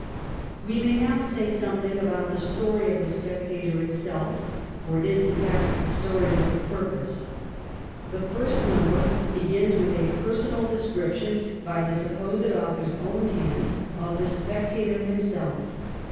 We may now say something about the story of ' The Spectator ' itself, for it is, in fact, a story with a purpose. The first number begins with a personal description by the supposed author's own hand of ' The Spectator ' himself.